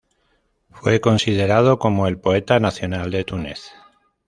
Fue considerado como el poeta nacional de Túnez.